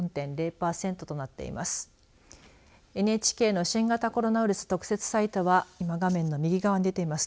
ＮＨＫの新型コロナウイルス特設サイトは今、画面の右側に出ています